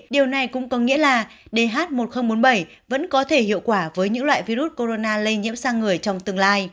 điều này cũng có nghĩa là dh một nghìn bốn mươi bảy vẫn có thể hiệu quả với những loại virus corona lây nhiễm sang người trong tương lai